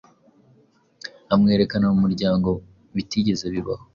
amwerekana mu muryango bitigeze bibaho